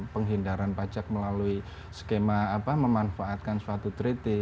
penghindaran pajak melalui skema memanfaatkan suatu treaty